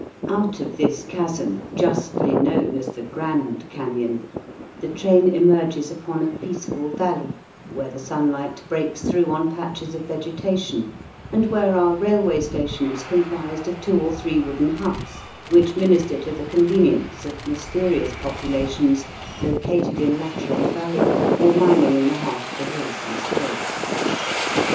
Out of this chasm, justly known as the Q rand Canon, the train emerges upon a peace ful valley, where the sunlight breaks through on patches of vegetation, and where are railway stations comprised of two or three wooden huts which minister to the convenience of mysterious populations located in lateral valley or mining in the heart of the hills themselves.